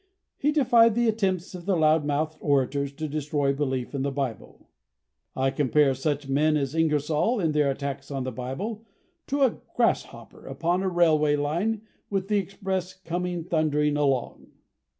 He defied the attempts of the loud mouthed orators to destroy belief in the Bible. "I compare such men as Ingersoll, in their attacks on the Bible, to a grasshopper upon a railway line with the express coming thundering along."